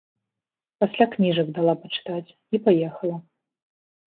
Пасля кніжак дала пачытаць і паехала.